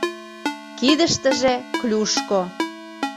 Кидыштыже — клюшко.